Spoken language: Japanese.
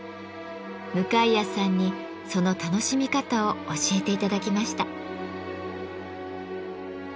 向谷さんにその楽しみ方を教えて頂きました。